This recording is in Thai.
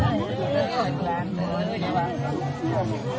อืมเอ้า